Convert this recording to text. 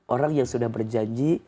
orang yang sudah berjanji